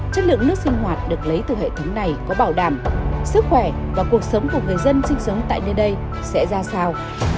chất lượng nước sinh hoạt được lấy từ hệ thống này có bảo đảm sức khỏe và cuộc sống của người dân sinh sống tại nơi đây sẽ ra sao